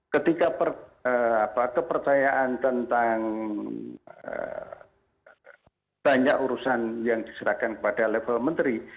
ketika kepercayaan tentang banyak urusan yang diserahkan kepada level menteri